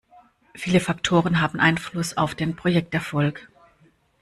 Viele Faktoren haben Einfluss auf den Projekterfolg.